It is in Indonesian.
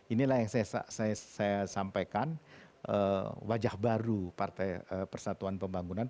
inilah yang saya sampaikan wajah baru partai persatuan pembangunan